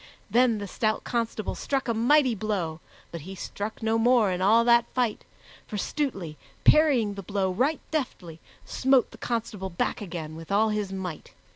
Then the stout constable struck a mighty blow; but he struck no more in all that fight, for Stutely, parrying the blow right deftly, smote the constable back again with all his might.